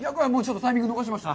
タイミングを逃しました。